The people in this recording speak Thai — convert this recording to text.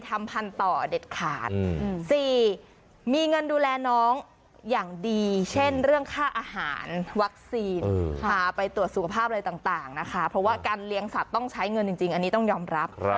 วัคซีนพาไปตรวจสุขภาพอะไรต่างนะคะเพราะว่าการเลี้ยงสัตว์ต้องใช้เงินจริงอันนี้ต้องยอมรับ